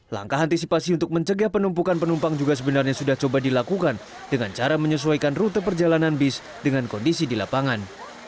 langkah antisipasi untuk mencegah penumpukan penumpang juga sebenarnya sudah coba dilakukan dengan cara menyesuaikan rute perjalanan bis dengan kondisi di lapangan